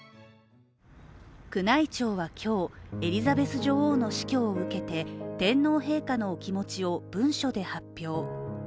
宮内庁は今日、エリザベス女王の死去を受けて天皇陛下のお気持ちを文書で発表。